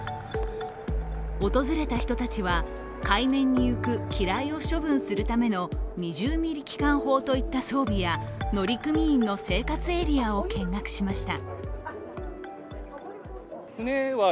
訪れた人たちは、海面に浮く機雷を処分するための２０ｍｍ機関砲といった装備や乗組員の生活エリアを見学しました。